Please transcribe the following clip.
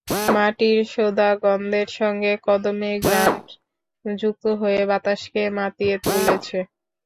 মাটির সোঁদা গন্ধের সঙ্গে কদমের ঘ্রাণ যুক্ত হয়ে বাতাসকে মাতিয়ে তুলেছে।